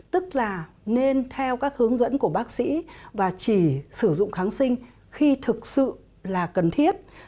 tức là nên theo các hướng dẫn của bác sĩ và chỉ sử dụng kháng sinh khi thực sự là cần thiết